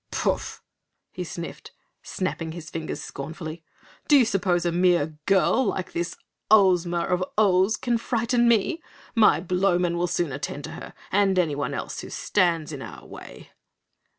"Pouf!" he sniffed, snapping his fingers scornfully. "Do you suppose a mere girl like this Ohsma of Ohs can frighten me? My Blowmen will soon attend to her and anyone else who stands in our way!"